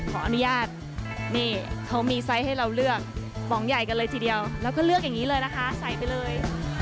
ขออนุญาตนี่เขามีไซส์ให้เราเลือกป๋องใหญ่กันเลยทีเดียวแล้วก็เลือกอย่างนี้เลยนะคะใส่ไปเลย